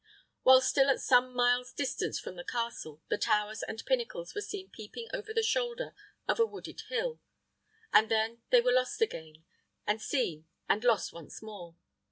While still at some miles' distance from the castle, the towers and pinnacles were seen peeping over the shoulder of a wooded hill, and then they were lost again, and seen, and lost once more.